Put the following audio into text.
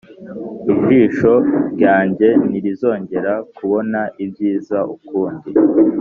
ijisho ryanjye ntirizongera kubona ibyiza ukundi